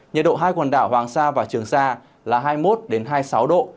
nhiệt độ hai quần đảo hoàng sa và trường sa là hai mươi một hai mươi sáu độ